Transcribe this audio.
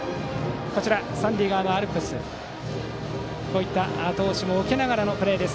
三塁側のアルプスのあと押しも受けながらのプレーです。